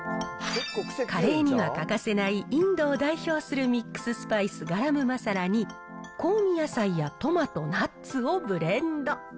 カレーには欠かせないインドを代表するミックススパイス、ガラムマサラに、香味野菜やトマト、ナッツをブレンド。